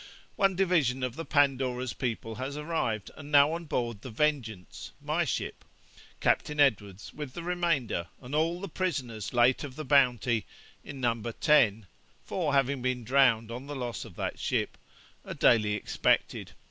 One division of the Pandora's people has arrived, and now on board the Vengeance (my ship). Captain Edwards with the remainder, and all the prisoners late of the Bounty, in number ten (four having been drowned on the loss of that ship), are daily expected.